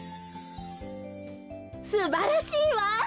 すばらしいわ！